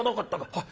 『はっ。